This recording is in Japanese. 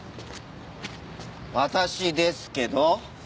私ですけど？